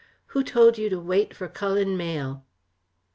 Who told you to wait for Cullen Mayle?"